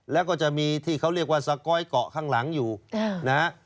แล้วก็จะมีที่เขาเรียกว่าสก๊อยเกาะข้างหลังอยู่นะฮะ